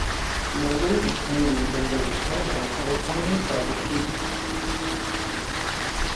Members of committees and their chairmen are appointed by the Speaker.